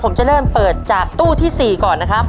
ผมจะเริ่มเปิดจากตู้ที่๔ก่อนนะครับ